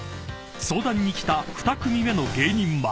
［相談に来た２組目の芸人は］